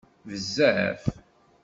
Bezzaf!